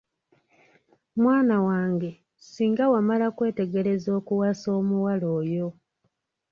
Mwana wange, singa wamala kwetegereza okuwasa omuwala oyo.